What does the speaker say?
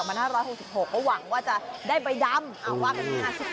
เพราะหวังว่าจะได้ใบดำอ้าวว่ากันนี้ค่ะ